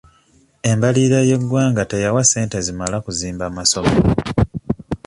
Embalirira y'eggwanga teyawa ssente zimala kuzimba masomero.